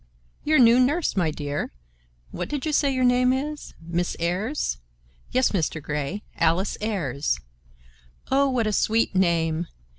Your new nurse, my dear. What did you say your name is? Miss Ayers?" "Yes, Mr. Grey, Alice Ayers." "Oh, what a sweet name!"